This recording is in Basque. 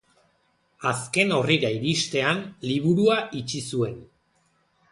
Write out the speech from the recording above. Azken orrira iristean, liburua itxi zuen.